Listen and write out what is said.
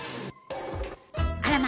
あらま！